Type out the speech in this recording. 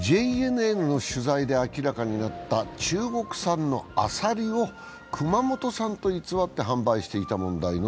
ＪＮＮの取材で明らかになった中国産のアサリを熊本産と偽って販売していた問題。